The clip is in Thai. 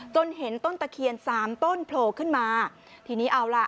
เห็นต้นตะเคียนสามต้นโผล่ขึ้นมาทีนี้เอาล่ะ